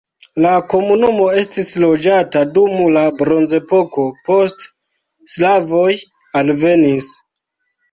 La komunumo estis loĝata dum la bronzepoko, poste slavoj alvenis.